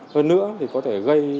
hơn nữa có thể gây hậu quả